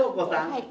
はい。